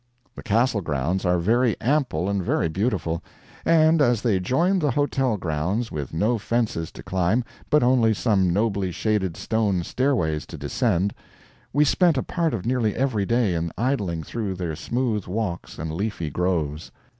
The Castle grounds are very ample and very beautiful; and as they joined the Hotel grounds, with no fences to climb, but only some nobly shaded stone stairways to descend, we spent a part of nearly every day in idling through their smooth walks and leafy groves.